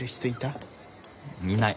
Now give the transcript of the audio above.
いない。